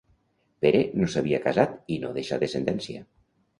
Pere no s'havia casat i no deixà descendència.